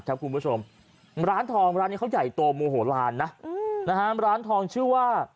คุณผู้ชมร้านทองร้านนี้เขาใหญ่โตโมโหลานนะร้านทองชื่อว่า